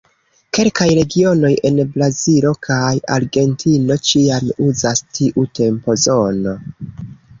Kelkaj regionoj en Brazilo kaj Argentino ĉiam uzas tiu tempozono.